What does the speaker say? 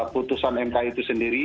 putusan mk itu sendiri